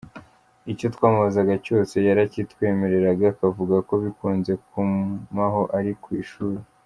Icyo twamubazaga cyose yarakitwemereraga, akavuga ko bikunze kumaho ari ku ishuri”.